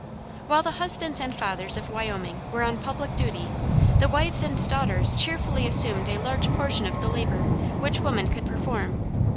While the husbands and fathers of Wyoming were on public duty the wives and daughters cheerfully assumed a large portion of the labor which women could perform.